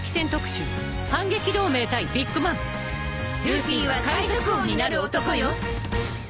ルフィは海賊王になる男よ。